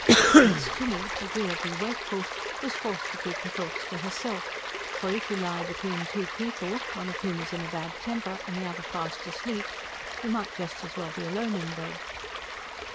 Hence, Jinny, agreeably wakeful, was forced to keep her thoughts to herself; for if you lie between two people, one of whom is in a bad temper, and the other fast asleep, you might just as well be alone in bed.